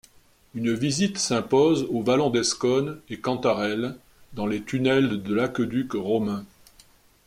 Une visite s'impose au Vallon d'Escaunes et Cantarelles dans les tunnels de l'aqueduc romain.